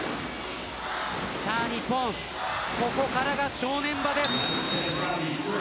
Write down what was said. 日本、ここからが正念場です。